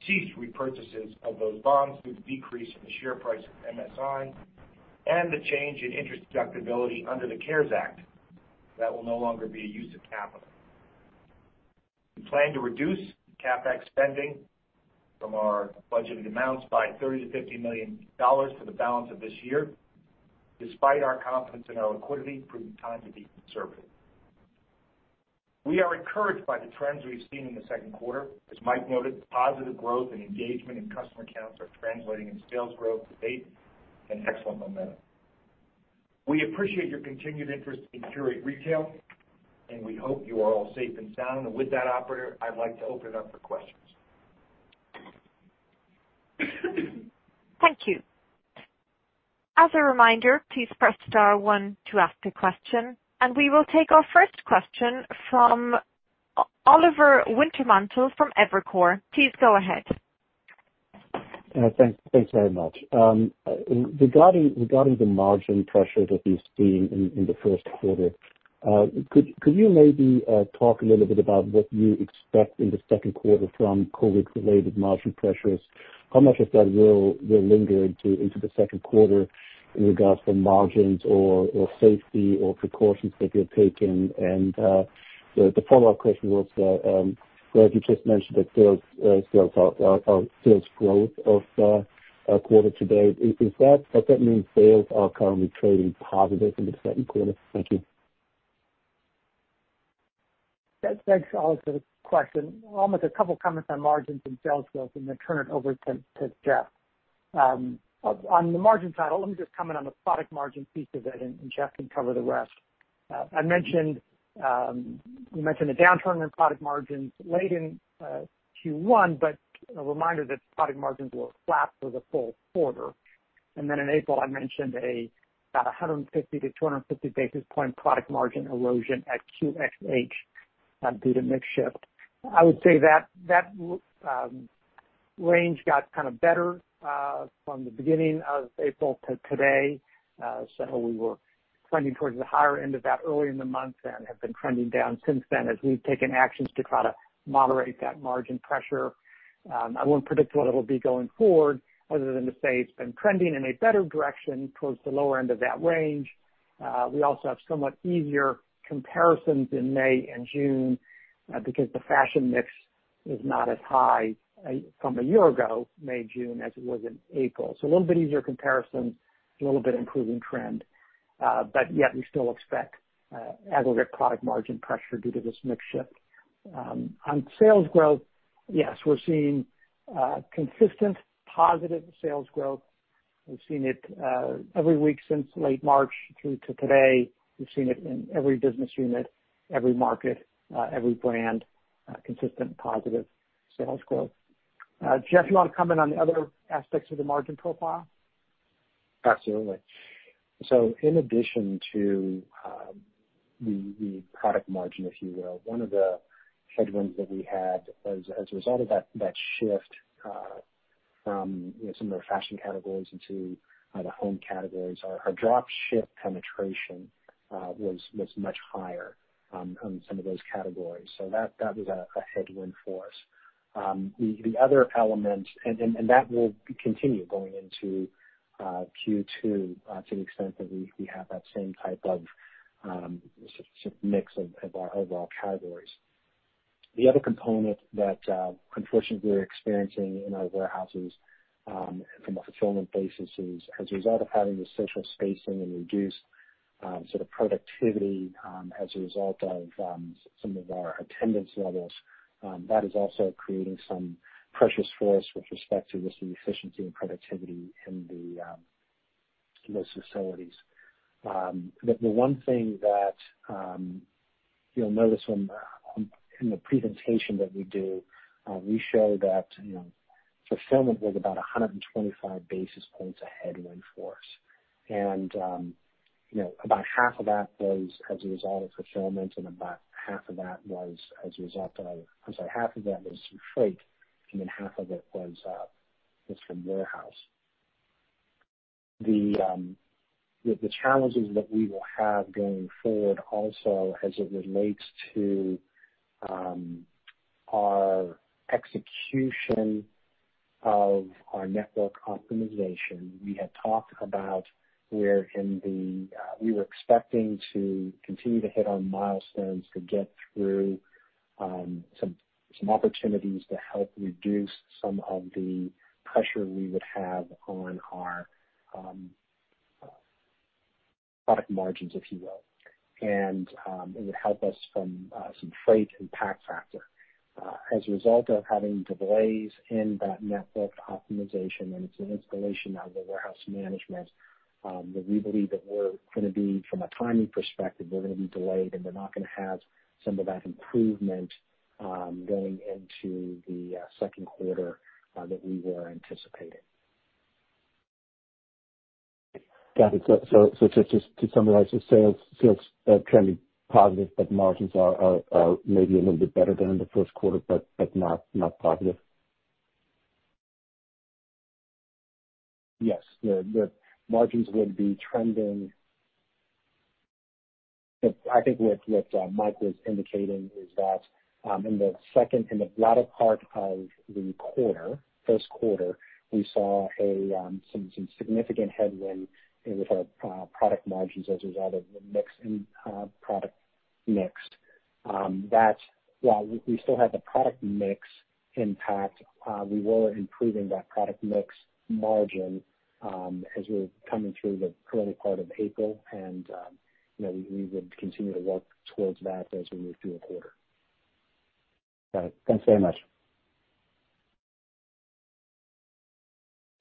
we've since ceased repurchases of those bonds due to the decrease in the share price of MSI and the change in interest deductibility under the CARES Act that will no longer be a use of capital. We plan to reduce CapEx spending from our budgeted amounts by $30 milion-$50 million for the balance of this year, despite our confidence in our liquidity from time to be conservative. We are encouraged by the trends we've seen in the second quarter. As Mike noted, positive growth and engagement in customer accounts are translating in sales growth to date and excellent momentum. We appreciate your continued interest in Qurate Retail, and we hope you are all safe and sound. And with that, operator, I'd like to open it up for questions. Thank you. As a reminder, please press star one to ask a question, and we will take our first question from Oliver Wintermantel from Evercore. Please go ahead. Thanks very much. Regarding the margin pressure that we've seen in the first quarter, could you maybe talk a little bit about what you expect in the second quarter from COVID-related margin pressures? How much of that will linger into the second quarter in regards to margins or safety or precautions that you're taking? And the follow-up question was, you just mentioned that sales are sales growth of quarter to date. Does that mean sales are currently trading positive in the second quarter? Thank you. Thanks all for question. Almost a couple of comments on margins and sales growth, and then turn it over to Jeff. On the margin side, let me just comment on the product margin piece of it, and Jeff can cover the rest. I mentioned the downturn in product margins late in Q1, but a reminder that product margins were flat for the full quarter. And then in April, I mentioned about 150-250 basis points product margin erosion at QxH due to mix shift. I would say that range got kind of better from the beginning of April to today. So we were trending towards the higher end of that early in the month and have been trending down since then as we've taken actions to try to moderate that margin pressure. I won't predict what it'll be going forward other than to say it's been trending in a better direction towards the lower end of that range. We also have somewhat easier comparisons in May and June because the fashion mix is not as high from a year ago, May, June, as it was in April. So a little bit easier comparison, a little bit improving trend. But yet, we still expect aggregate product margin pressure due to this mix shift. On sales growth, yes, we're seeing consistent positive sales growth. We've seen it every week since late March through to today. We've seen it in every business unit, every market, every brand, consistent positive sales growth. Jeff, you want to comment on the other aspects of the margin profile? Absolutely. So in addition to the product margin, if you will, one of the headwinds that we had as a result of that shift from some of our fashion categories into the home categories, our drop ship penetration was much higher on some of those categories. That was a headwind for us. The other element, and that will continue going into Q2 to the extent that we have that same type of mix of our overall categories. The other component that, unfortunately, we're experiencing in our warehouses from a fulfillment basis is, as a result of having the social distancing and reduced sort of productivity as a result of some of our attendance levels, that is also creating some pressures for us with respect to just the efficiency and productivity in those facilities. The one thing that you'll notice in the presentation that we do, we show that fulfillment was about 125 basis points a headwind for us. And about half of that was as a result of fulfillment, and about half of that was as a result of, I'm sorry, half of that was through freight, and then half of it was from warehouse. The challenges that we will have going forward, also as it relates to our execution of our network optimization, we had talked about where we were expecting to continue to hit our milestones to get through some opportunities to help reduce some of the pressure we would have on our product margins, if you will, and it would help us from some freight and pack factor. As a result of having delays in that network optimization and its installation out of the warehouse management, we believe that we're going to be, from a timing perspective, we're going to be delayed, and we're not going to have some of that improvement going into the second quarter that we were anticipating. Got it, so to summarize, sales trending positive, but margins are maybe a little bit better than in the first quarter, but not positive? Yes. The margins would be trending. I think what Mike was indicating is that in the latter part of the quarter, first quarter, we saw some significant headwind with our product margins as a result of the mix in product mix. That while we still had the product mix impact, we were improving that product mix margin as we were coming through the early part of April, and we would continue to work towards that as we move through the quarter. Got it. Thanks very much.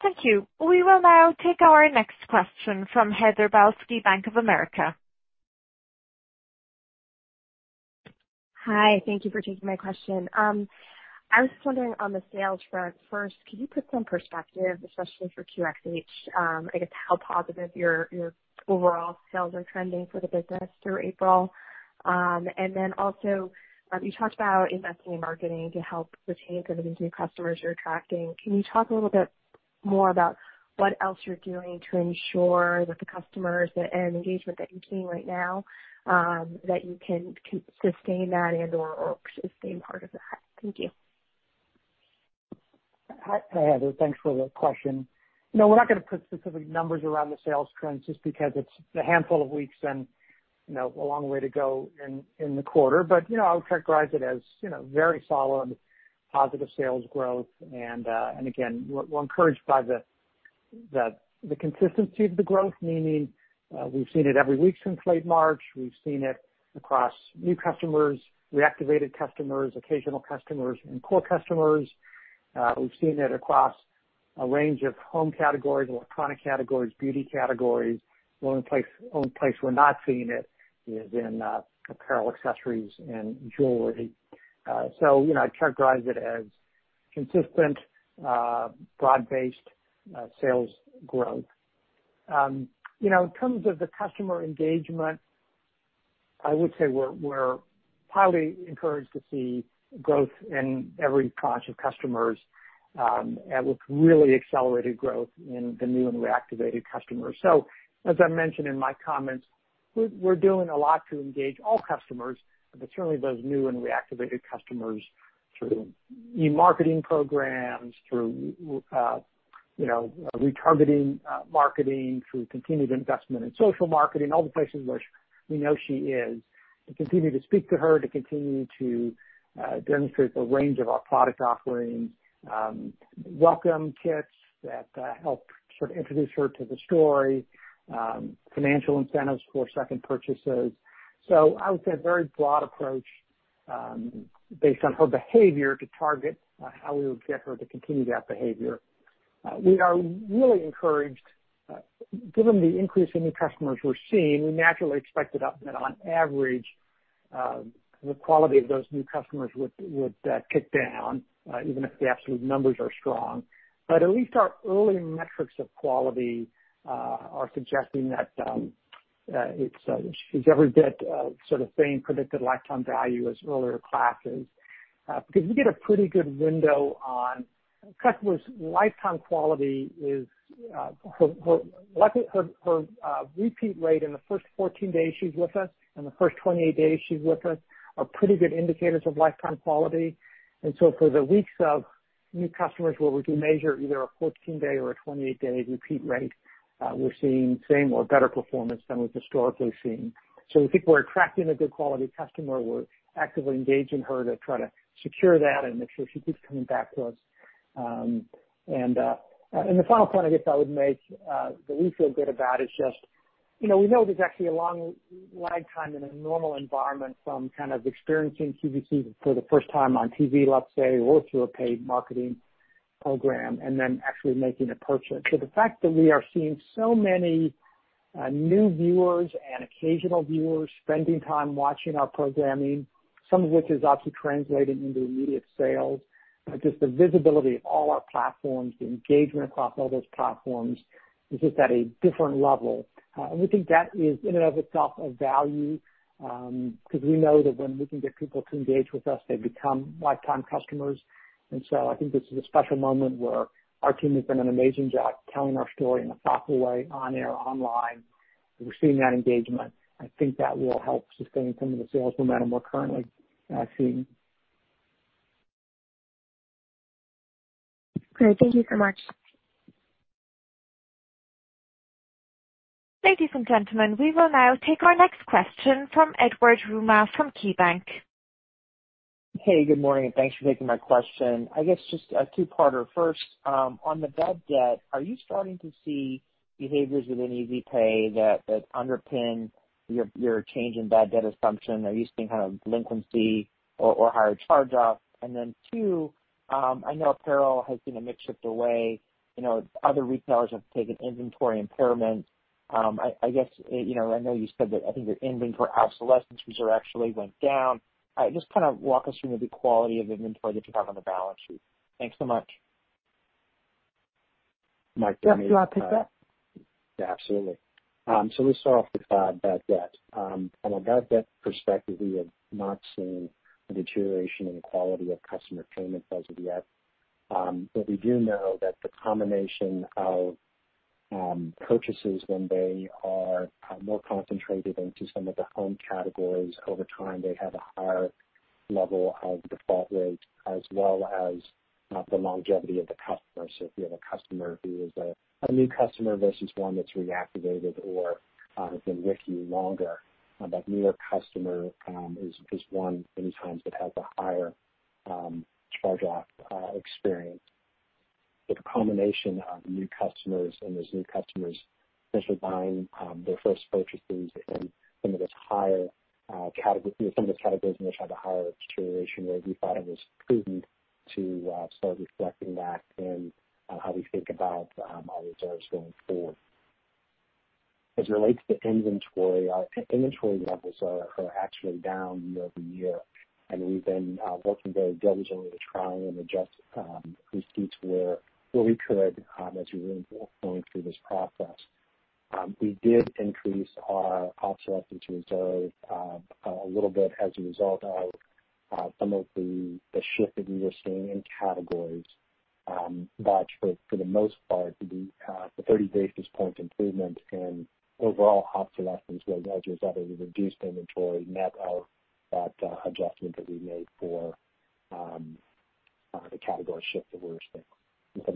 Thank you. We will now take our next question from Heather Balsky, Bank of America. Hi. Thank you for taking my question. I was just wondering, on the sales front first, could you put some perspective, especially for QxH, I guess, how positive your overall sales are trending for the business through April? And then also, you talked about investing in marketing to help retain some of these new customers you're attracting. Can you talk a little bit more about what else you're doing to ensure that the customers and engagement that you're seeing right now, that you can sustain that and/or stay part of that? Thank you. Hi, Heather. Thanks for the question. No, we're not going to put specific numbers around the sales trends just because it's a handful of weeks and a long way to go in the quarter. But I would characterize it as very solid positive sales growth. And again, we're encouraged by the consistency of the growth, meaning we've seen it every week since late March. We've seen it across new customers, reactivated customers, occasional customers, and core customers. We've seen it across a range of home categories, electronic categories, beauty categories. The only place we're not seeing it is in apparel accessories and jewelry. So I'd characterize it as consistent, broad-based sales growth. In terms of the customer engagement, I would say we're highly encouraged to see growth in every branch of customers with really accelerated growth in the new and reactivated customers. So as I mentioned in my comments, we're doing a lot to engage all customers, but certainly those new and reactivated customers through new marketing programs, through retargeting marketing, through continued investment in social marketing, all the places where we know she is, to continue to speak to her, to continue to demonstrate the range of our product offerings, welcome kits that help sort of introduce her to the story, financial incentives for second purchases. So I would say a very broad approach based on her behavior to target how we would get her to continue that behavior. We are really encouraged, given the increase in new customers we're seeing. We naturally expect that on average, the quality of those new customers would tick down, even if the absolute numbers are strong, but at least our early metrics of quality are suggesting that it's every bit of sort of same predicted lifetime value as earlier classes. Because we get a pretty good window on customers' lifetime quality is their repeat rate in the first 14 days they're with us and the first 28 days they're with us are pretty good indicators of lifetime quality, and so for the weeks of new customers where we can measure either a 14-day or a 28-day repeat rate, we're seeing same or better performance than we've historically seen, so we think we're attracting a good quality customer. We're actively engaging her to try to secure that and make sure she keeps coming back to us. And the final point, I guess, I would make that we feel good about is just we know there's actually a long lag time in a normal environment from kind of experiencing QVC for the first time on TV, let's say, or through a paid marketing program, and then actually making a purchase. So the fact that we are seeing so many new viewers and occasional viewers spending time watching our programming, some of which is obviously translating into immediate sales, just the visibility of all our platforms, the engagement across all those platforms is just at a different level. And we think that is in and of itself a value because we know that when we can get people to engage with us, they become lifetime customers. And so I think this is a special moment where our team has done an amazing job telling our story in a thoughtful way on-air, online. We're seeing that engagement. I think that will help sustain some of the sales momentum we're currently seeing. Great. Thank you so much. Ladies and gentlemen, we will now take our next question from Edward Yruma from KeyBanc. Hey, good morning. Thanks for taking my question. I guess just a two-parter. First, on the bad debt, are you starting to see behaviors within Easy Pay that underpin your change in bad debt assumption? Are you seeing kind of latency or higher charge-off? And then two, I know apparel has been a mix shift away. Other retailers have taken inventory impairment. I guess I know you said that I think your inventory obsolescence reserve actually went down. Just kind of walk us through the quality of inventory that you have on the balance sheet? Thanks so much. Mike, do you want to pick that? Absolutely. So we start off with bad debt. From a bad debt perspective, we have not seen a deterioration in the quality of customer payment as of yet. But we do know that the combination of purchases, when they are more concentrated into some of the home categories over time, they have a higher level of default rate as well as the longevity of the customer. So if you have a customer who is a new customer versus one that's reactivated or has been with you longer, that newer customer is one many times that has a higher charge-off experience. But the combination of new customers and those new customers essentially buying their first purchases in some of those higher categories, some of those categories in which have a higher deterioration rate, we thought it was prudent to start reflecting that in how we think about our reserves going forward. As it relates to inventory, our inventory levels are actually down year over year. And we've been working very diligently to try and adjust receipts where we could as we were going through this process. We did increase our obsolescence reserve a little bit as a result of some of the shift that we were seeing in categories. But for the most part, the 30 basis points improvement in overall obsolescence was as a result of the reduced inventory net of that adjustment that we made for the category shift that we were seeing. And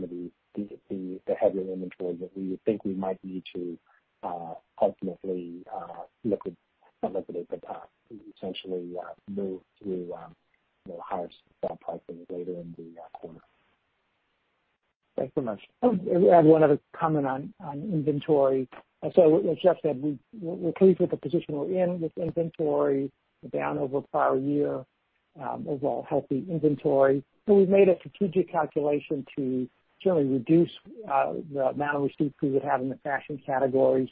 some of the heavier inventory that we would think we might need to ultimately liquidate, but essentially move through higher sell pricing later in the quarter. Thanks very much. I have one other comment on inventory. So as Jeff said, we're pleased with the position we're in with inventory, down over a prior year, overall healthy inventory. So we've made a strategic calculation to certainly reduce the amount of receipts we would have in the fashion categories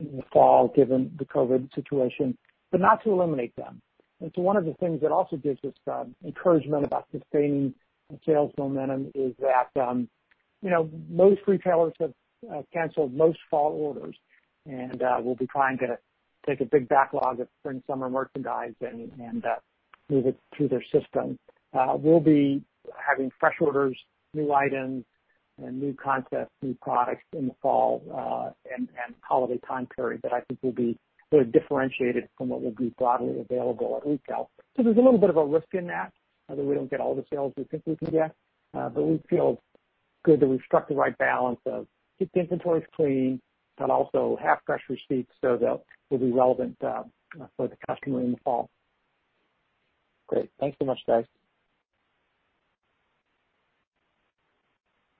in the fall given the COVID situation, but not to eliminate them. And so one of the things that also gives us encouragement about sustaining sales momentum is that most retailers have canceled most fall orders. And we'll be trying to take a big backlog of spring summer merchandise and move it through their system. We'll be having fresh orders, new items, and new concepts, new products in the fall and holiday time period that I think will be differentiated from what will be broadly available at retail. So there's a little bit of a risk in that that we don't get all the sales we think we can get. But we feel good that we've struck the right balance of keep the inventories clean, but also have fresh receipts so that will be relevant for the customer in the fall. Great. Thanks so much, guys.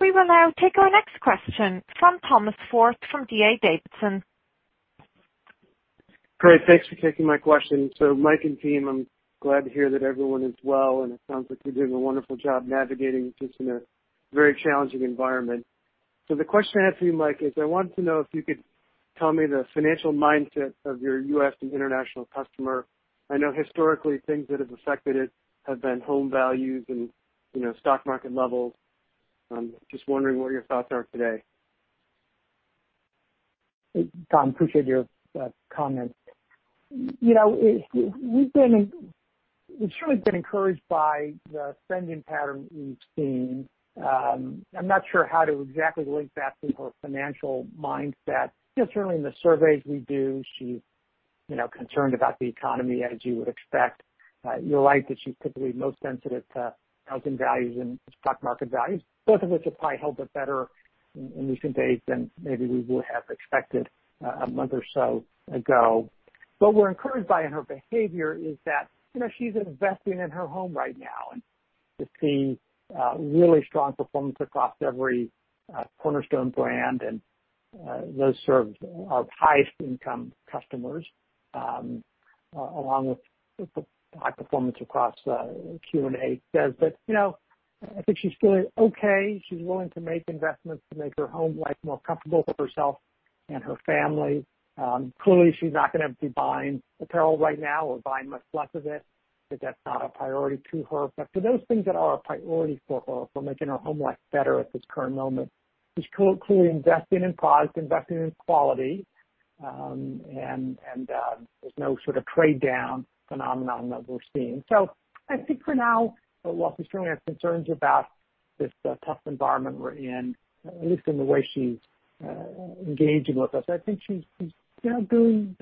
We will now take our next question from Thomas Forte from D.A. Davidson. Great. Thanks for taking my question. So Mike and team, I'm glad to hear that everyone is well. And it sounds like you're doing a wonderful job navigating just in a very challenging environment. So the question I have for you, Mike, is I wanted to know if you could tell me the financial mindset of your U.S. and international customer. I know historically things that have affected it have been home values and stock market levels. Just wondering what your thoughts are today. Tom, appreciate your comment. We've certainly been encouraged by the spending pattern we've seen. I'm not sure how to exactly link that to her financial mindset. Certainly in the surveys we do, she's concerned about the economy as you would expect. You're right that she's typically most sensitive to housing values and stock market values, both of which have probably held up better in recent days than maybe we would have expected a month or so ago. But we're encouraged by her behavior is that she's investing in her home right now. To see really strong performance across every Cornerstone brand and those serve our highest income customers, along with high performance across QVC and HSN. But I think she's feeling okay. She's willing to make investments to make her home life more comfortable for herself and her family. Clearly, she's not going to be buying apparel right now or buying much less of it because that's not a priority to her. But for those things that are a priority for her for making her home life better at this current moment, she's clearly investing in product, investing in quality. And there's no sort of trade-down phenomenon that we're seeing. So I think for now, while she certainly has concerns about this tough environment we're in, at least in the way she's engaging with us, I think she's doing.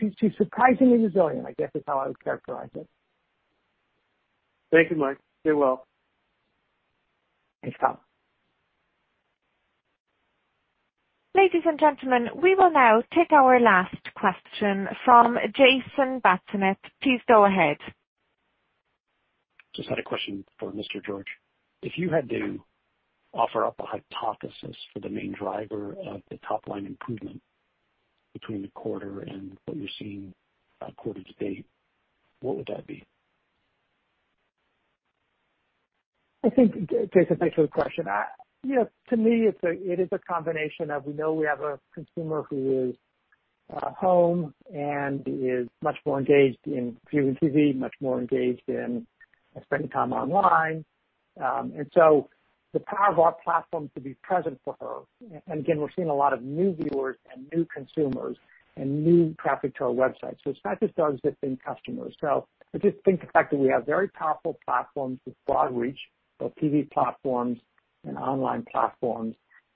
She's surprisingly resilient, I guess is how I would characterize it. Thank you, Mike. Stay well. Thanks, Tom. Ladies and gentlemen, we will now take our last question from Jason Bazinet. Please go ahead. Just had a question for Mr. George. If you had to offer up a hypothesis for the main driver of the top-line improvement between the quarter and what you're seeing quarter to date, what would that be? I think, Jason, thanks for the question. To me, it is a combination of we know we have a consumer who is home and is much more engaged in viewing TV, much more engaged in spending time online. And so the power of our platform to be present for her. And again, we're seeing a lot of new viewers and new consumers and new traffic to our website. So it's not just our existing customers. So I just think the fact that we have very powerful platforms with broad reach, both TV platforms and online platforms,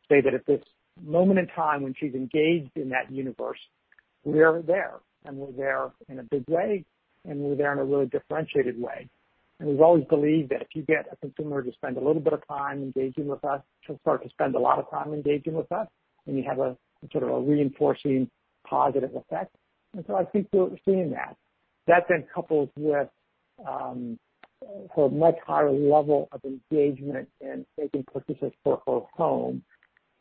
such that at this moment in time when she's engaged in that universe, we're there. And we're there in a big way. And we're there in a really differentiated way. And we've always believed that if you get a consumer to spend a little bit of time engaging with us, she'll start to spend a lot of time engaging with us. And you have a sort of a reinforcing positive effect. And so I think we're seeing that. That then couples with her much higher level of engagement in making purchases for her home.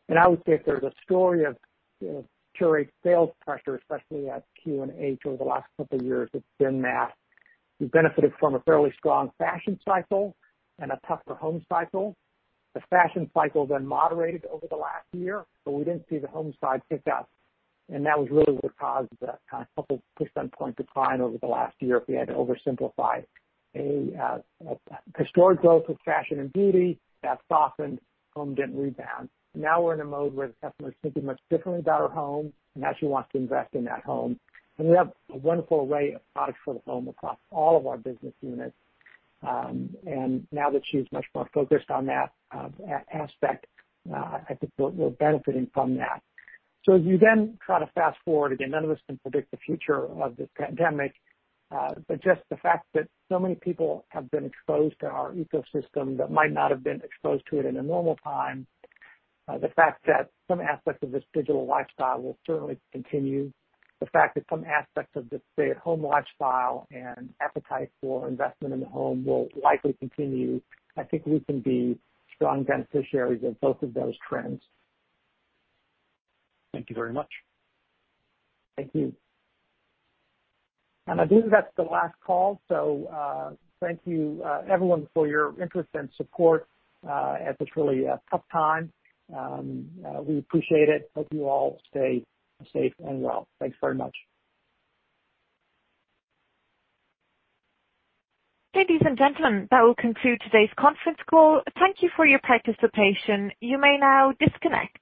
And I would say if there's a story of Qurate's sales pressure, especially at QVC and HSN over the last couple of years, it's been that we benefited from a fairly strong fashion cycle and a tougher home cycle. The fashion cycle then moderated over the last year, but we didn't see the home side pick up. And that was really what caused the couple percentage points to climb over the last year if we had to oversimplify our historic growth with fashion and beauty that softened, home didn't rebound. Now we're in a mode where the customer is thinking much differently about her home and how she wants to invest in that home. And we have a wonderful array of products for the home across all of our business units. And now that she's much more focused on that aspect, I think we're benefiting from that. So as we then try to fast forward, again, none of us can predict the future of this pandemic. But just the fact that so many people have been exposed to our ecosystem that might not have been exposed to it in a normal time, the fact that some aspects of this digital lifestyle will certainly continue, the fact that some aspects of the stay-at-home lifestyle and appetite for investment in the home will likely continue, I think we can be strong beneficiaries of both of those trends. Thank you very much. Thank you. And I believe that's the last call. So thank you, everyone, for your interest and support at this really tough time. We appreciate it. Hope you all stay safe and well. Thanks very much. Ladies and gentlemen, that will conclude today's conference call. Thank you for your participation. You may now disconnect.